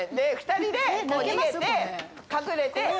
２人で逃げて隠れて。